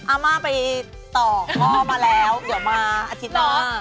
อาม่าไปต่อหม้อมาแล้วเดี๋ยวมาอาทิตย์หน้า